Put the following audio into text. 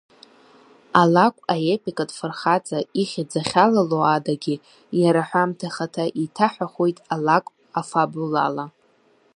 Алакә аепикатә фырхаҵа ихьӡ ахьалало адагьы, иара аҳәамҭа ахаҭа еиҭаҳәахоит алакә афабулала.